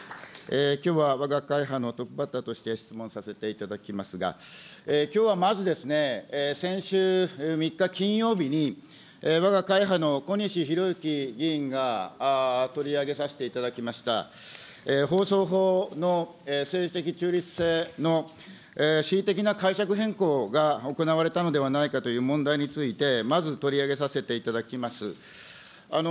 きょうはわが会派のトップバッターとして質問させていただきますが、きょうはまずですね、先週３日金曜日に、わが会派の小西洋之議員が取り上げさせていただきました、放送法の政治的中立性の恣意的な解釈変更が行われたのではないかという問題について、まず取り上げさせていただきます。